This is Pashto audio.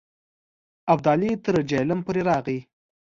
ابدالي تر جیهلم پورې راغی.